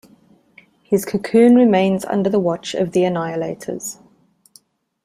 His cocoon remains under the watch of the Annihilators.